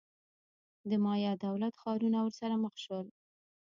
د مایا دولت-ښارونه ورسره مخ شول.